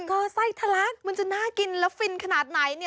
ก็ไส้ทะลักมันจะน่ากินแล้วฟินขนาดไหน